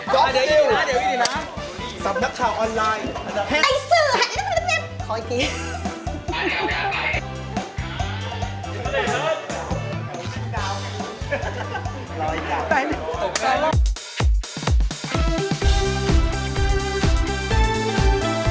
เดี๋ยว